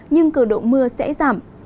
nhưng cường đổ mưa sẽ giảm